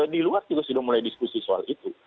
di luar juga sudah mulai diskusi soal itu